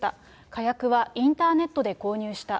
火薬はインターネットで購入した。